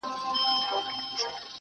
د سلگيو ږغ يې ماته را رسيږي.